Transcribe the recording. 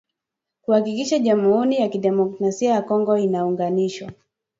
kuhakikisha jamuhuri ya kidemokrasia ya Kongo inaunganishwa